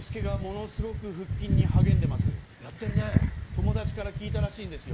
友達から聞いたらしいんですよ。